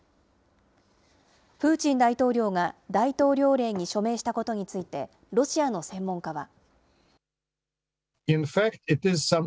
プーチン大統領が大統領令に署名したことについて、ロシアの専門家は。